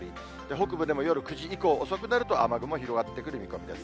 北部でも夜９時以降、遅くなると雨雲広がってくる見込みです。